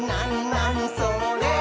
なにそれ？」